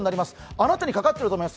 あなたにかかってると思います。